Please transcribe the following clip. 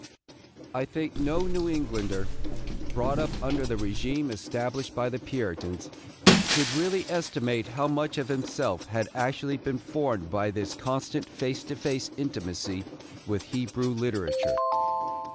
I think no New Englander, brought up under the régime established by the Puritans, could really estimate how much of himself had actually been formed by this constant face to face intimacy with Hebrew literature.